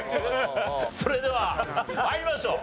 それでは参りましょう。